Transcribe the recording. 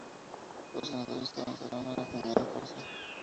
Los ganadores avanzarán a la primera fase.